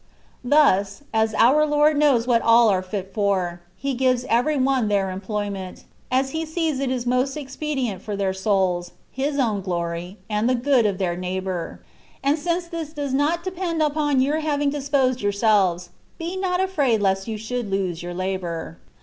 Thus, as our Lord knows what all are fit for. He gives every one their employment, as He sees it is most expedient for their souls, His own glory, and the good of their neighbour. And since this does not depend upon your having disposed yourselves, be not afraid lest you should lose your labour.